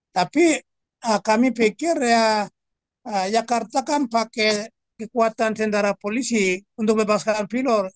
tapi kami pikir ya jakarta kan pakai kekuatan tentara polisi untuk bebaskan pilot